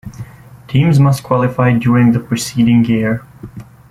Teams must qualify during the preceding year.